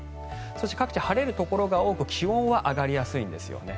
そして、各地晴れるところが多く気温は上がりやすいんですよね。